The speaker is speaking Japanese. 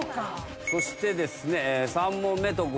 そしてですね。